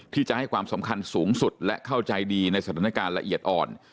ที่จะให้ความสำคัญสูงสุดและเข้าใจดีในสถานการณ์ละเอียดอ่อน